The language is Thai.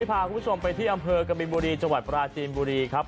พาคุณผู้ชมไปที่อำเภอกบินบุรีจังหวัดปราจีนบุรีครับ